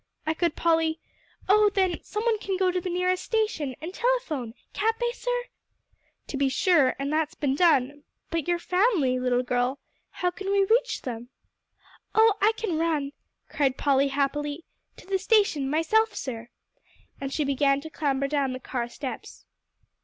echoed Polly. "Oh then, some one can go to the nearest station, and telephone, can't they, sir?" "To be sure; and that's been done. But your family, little girl how can we reach them?" "Oh, I can run," cried Polly happily, "to the station myself, sir," and she began to clamber down the car steps.